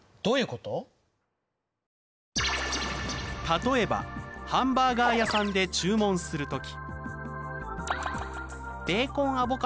例えばハンバーガー屋さんで注文する時。